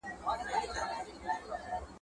د ارګ کړۍ باید ولس ته رښتیا ووایي.